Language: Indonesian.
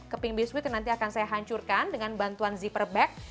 keping biskuit yang nanti akan saya hancurkan dengan bantuan ziper bag